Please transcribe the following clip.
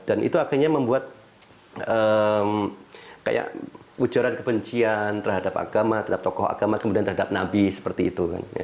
dan itu akhirnya membuat ujaran kebencian terhadap agama terhadap tokoh agama kemudian terhadap nabi seperti itu